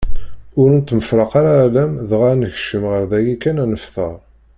Ur nettemfraq ara alamm dɣa ad nekcem ɣer dagi kan ad nefteṛ.